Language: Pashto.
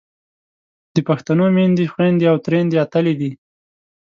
د پښتنو میندې، خویندې او ترېیندې اتلې دي.